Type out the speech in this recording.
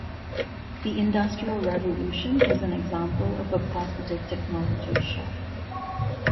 The Industrial Revolution is an example of a positive technology shock.